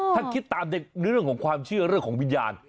ถ้าคิดตามในเรื่องของความเชื่อเรื่องของวิญญาณ